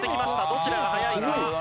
どちらが早いか？